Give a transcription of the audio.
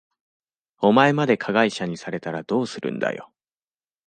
お前まで加害者にされたらどうするんだよ。